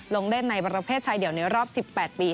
ลงเล่นในประเภทชายเดี่ยวในรอบ๑๘ปี